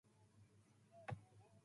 冬用のズボンを買わないといけない。